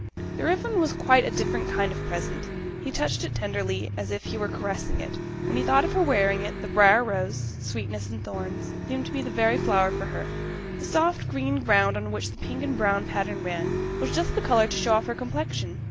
This ribbon was quite a different kind of present; he touched it tenderly, as if he were caressing it, when he thought of her wearing it; the briar rose (sweetness and thorns) seemed to be the very flower for her; the soft, green ground on which the pink and brown pattern ran, was just the colour to show off her complexion.